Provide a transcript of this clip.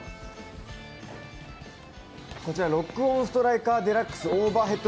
こちら、ロックオンストライカーＤＸオーバーヘッド